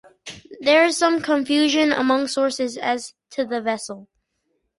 There is some confusion among sources as to the vessel.